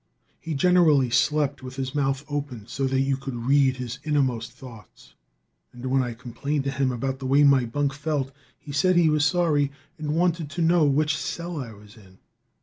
He generally slept with his mouth open, so that you could read his inmost thoughts, and when I complained to him about the way my bunk felt, he said he was sorry, and wanted to know which cell I was in.